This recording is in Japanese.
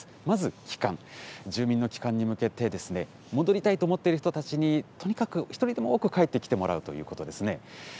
まず帰還、住民の帰還に向けて、戻りたいと思っている人たちに、とにかく一人でも多く帰ってきてもらうということですね。